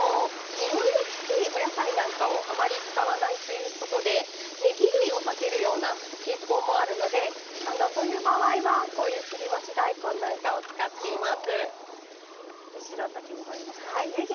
においのきついお野菜なんかをあまり使わないということでねぎ類を避けるような傾向もあるのでそういう場合は切り干し大根なんかを使っています。